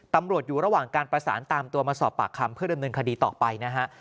ตำรวจอยู่ระหว่างการประสานตามตัวมาสอบปากคำเพื่อดำเนินคดีต่อไปนะฮะ